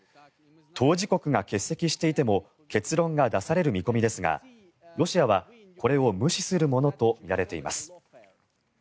当事国が欠席していても結論が出される見込みですがロシアはこれを無視するものとみられています。